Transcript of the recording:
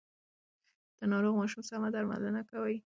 د ناروغ ماشوم سم درملنه کوي.